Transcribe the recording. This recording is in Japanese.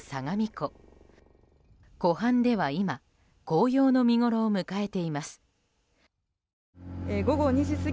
湖畔では今紅葉の見ごろを迎えています。